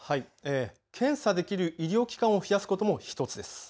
検査できる医療機関を増やすことも１つです。